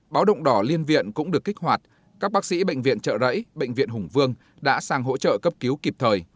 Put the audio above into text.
báo động đỏ liên viện cũng được kích hoạt các bác sĩ bệnh viện trợ rẫy bệnh viện hùng vương đã sang hỗ trợ cấp cứu kịp thời